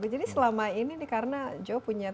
jadi selama ini nih karena joe punya